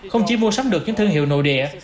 không chỉ mua sắm được những thương hiệu nổi tiếng